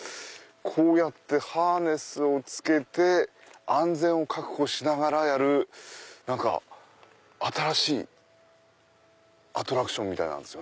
こうやってハーネスを着けて安全を確保しながらやる新しいアトラクションみたいなんです。